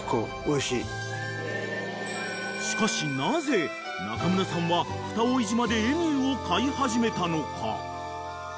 ［しかしなぜ中村さんは蓋井島でエミューを飼い始めたのか？］